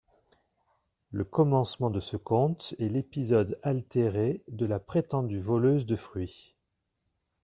Le commencement de ce conte est l'épisode altéré de la prétendue voleuse de fruits.